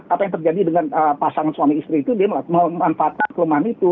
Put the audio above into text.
apa yang terjadi dengan pasangan suami istri itu dia memanfaatkan kelemahan itu